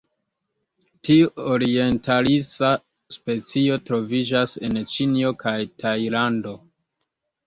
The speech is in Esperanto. Tiu orientalisa specio troviĝas en Ĉinio kaj Tajlando.